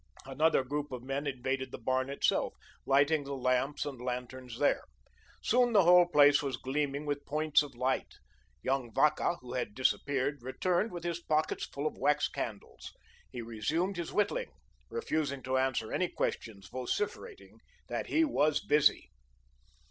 Another group of men invaded the barn itself, lighting the lamps and lanterns there. Soon the whole place was gleaming with points of light. Young Vacca, who had disappeared, returned with his pockets full of wax candles. He resumed his whittling, refusing to answer any questions, vociferating that he was busy.